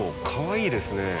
かわいいですね。